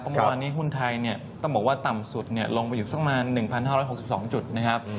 เมื่อวานนี้หุ้นไทยเนี่ยต้องบอกว่าต่ำสุดลงไปอยู่สักประมาณ๑๕๖๒จุดนะครับ